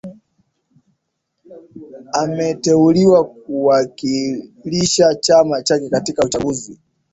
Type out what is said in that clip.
ameteuliwa kuwakilisha chama chake katika uchaguzi